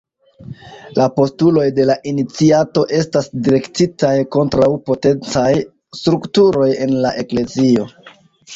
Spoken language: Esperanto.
La postuloj de la iniciato estas direktitaj kontraŭ potencaj strukturoj en la eklezio.